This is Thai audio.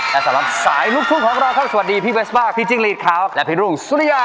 และสำหรับสายลูกทุ่งของเราครับสวัสดีพี่เบสบ้าพี่จิ้งหลีดขาวและพี่รุ่งสุริยา